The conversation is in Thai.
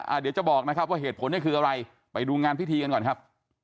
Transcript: เดี๋ยวจะบอกนะครับว่าเหตุผลเนี่ยคืออะไรไปดูงานพิธีกันก่อนครับ